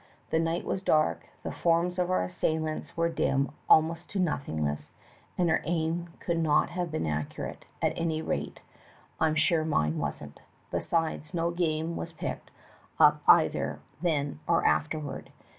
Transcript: The night was dark, the forms of our assailants were dim almost to nothingness, and our aim could not have been accurate; at any rate, I'm sure mine wasn't. Besides, no game was picked up either then or afterward.